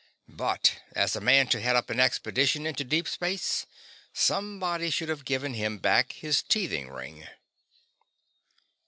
But as a man to head up an expedition into deep space, somebody should have given him back his teething ring.